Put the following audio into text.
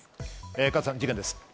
加藤さん、事件です。